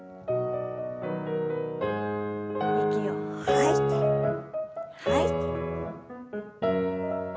息を吐いて吐いて。